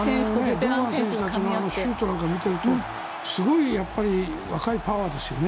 堂安選手たちのシュートなんかを見ているとすごい若いパワーですよね。